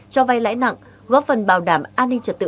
cho vay lãi nặng góp phần bảo đảm an ninh trật tự